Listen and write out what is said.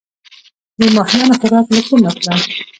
د ماهیانو خوراک له کومه کړم؟